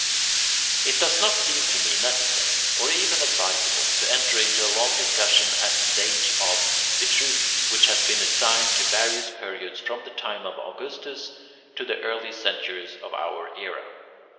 It does not seem to me necessary or even advisable to enter into a long discussion as to the date of Vitruvius, which has been assigned to various periods from the time of Augustus to the early centuries of our era.